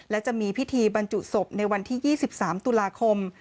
และจะมีพิธีบรรจุศพในวันที่๒๓ตุลาคม